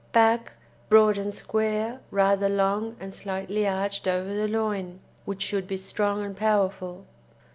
BACK Broad and square, rather long and slightly arched over the loin, which should be strong and powerful.